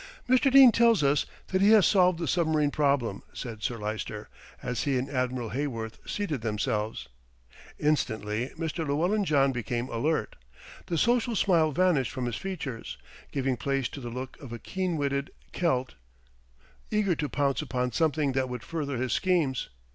"Mr. Dene tells us that he has solved the submarine problem," said Sir Lyster, as he and Admiral Heyworth seated themselves. Instantly Mr. Llewellyn John became alert. The social smile vanished from his features, giving place to the look of a keen witted Celt, eager to pounce upon something that would further his schemes.